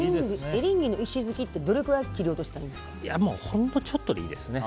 エリンギの石づきってどれぐらいほんのちょっとでいいです。